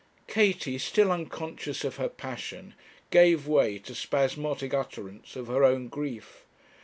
Katie, still unconscious of her passion, gave way to spasmodic utterance of her own grief.